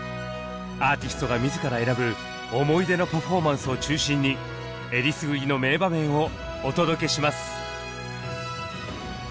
アーティストが自ら選ぶ思い出のパフォーマンスを中心にえりすぐりの名場面をお届けします。